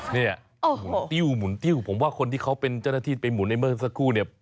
หมุนติ้วหมุนติ้วผมว่าคนที่เขาเป็นเจ้าหน้าที่ไปหมุนในเมื่อสักครู่เนี่ย